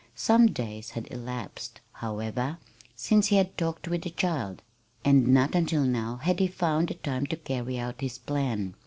Some days had elapsed, however, since he had talked with the child, and not until now had he found the time to carry out his plan.